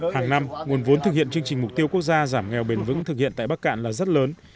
hàng năm nguồn vốn thực hiện chương trình mục tiêu quốc gia giảm nghèo bền vững thực hiện tại bắc cạn là rất lớn